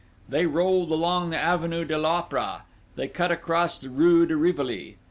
They rolled along the avenue de l'Opéra: they cut across the rue de Rivoli.